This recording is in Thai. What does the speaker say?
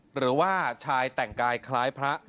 หรือว่าชายแต่งกายคล้ายพระ